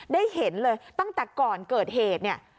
ได้เห็นเลยตั้งแต่ก่อนเกิดเหตุเนี่ย